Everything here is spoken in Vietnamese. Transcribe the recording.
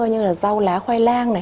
như là rau lá khoai lang này